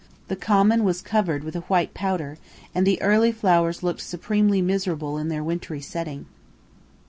The common was covered with a white powder, and the early flowers looked supremely miserable in their wintry setting.